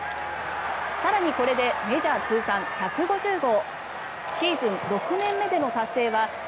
更に、これでメジャー通算１５０号。